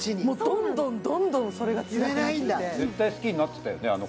もうどんどんどんどんそれがつらくなって絶対好きになってたよね